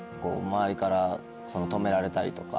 周りから止められたりとか。